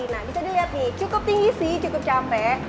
nah bisa dilihat nih cukup tinggi sih cukup capek